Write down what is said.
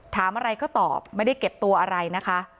ถามอะไรก็ตอบไม่ได้เก็บตัวอะไรนะคะ